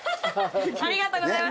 ありがとうございます。